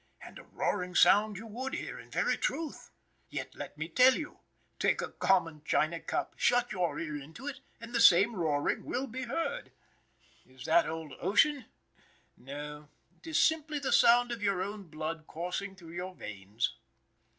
And a roaring sound you would hear, in very truth. Yet, let me tell you! Take a common china cup, shut your ear into it, and the same roaring will be heard. Is that old ocean? No, it is simply the sound of your own blood coursing through your veins.